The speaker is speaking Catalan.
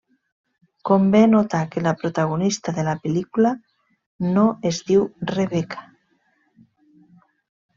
Convé notar que la protagonista de la pel·lícula no es diu Rebeca.